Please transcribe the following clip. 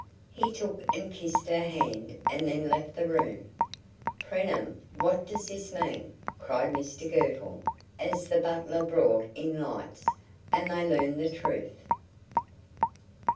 He took and kissed her hand, and then left the room. "Preenham, what does this mean?" cried Mr Girtle, as the butler brought in lights; and they learned the truth.